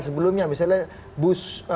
sebelumnya misalnya bush